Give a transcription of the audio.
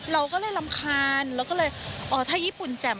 เราก็เลยรำคาญเราก็เลยอ๋อถ้าญี่ปุ่นแจ่ม